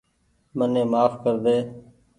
مني مهاڦ ڪر ۮي